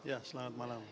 ya selamat malam